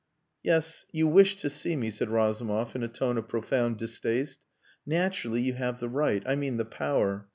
"Yes you wished to see me," said Razumov in a tone of profound distaste. "Naturally you have the right I mean the power.